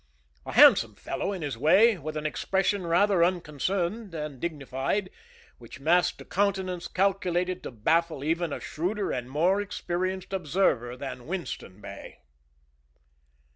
A handsome fellow in his way, with an expression rather unconcerned than dignified, which masked a countenance calculated to baffle even a shrewder and more experienced observer than Winston Bey.